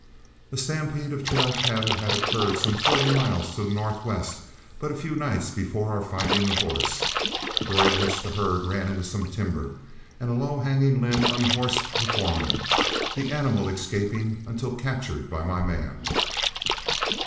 A stampede of trail cattle had occurred some forty miles to the northwest but a few nights before our finding the horse, during which the herd ran into some timber, and a low hanging limb unhorsed the foreman, the animal escaping until captured by my man.